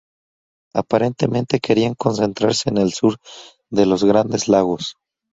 Aparentemente querían concentrarse en el sur de los Grandes Lagos.